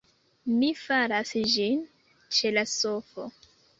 Mi faras ĝin ĉe la sofo